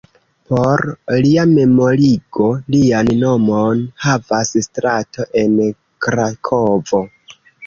Por lia memorigo, lian nomon havas strato en Krakovo.